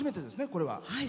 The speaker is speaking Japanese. これは。